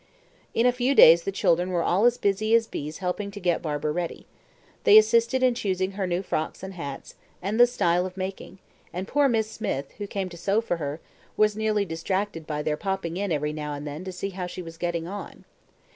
In a few days the children were all as busy as bees helping to get Barbara ready. They assisted in choosing her new frocks and hats, and the style of making; and poor Miss Smith, who came to sew for her, was nearly distracted by their popping in every now and then to see how she was getting on.